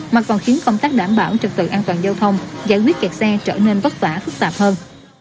mà còn khiến công tác đảm bảo trực tự an toàn giao thông giải quyết kẹt xe trở nên vất vả phức tạp hơn